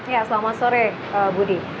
ya selama sore budi